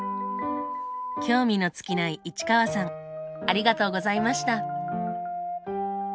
興味の尽きない市川さんありがとうございました。